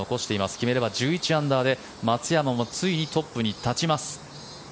決めれば１１アンダーで松山もついにトップに立ちます。